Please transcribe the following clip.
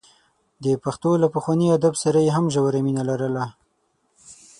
د پښتو له پخواني ادب سره یې هم ژوره مینه لرله.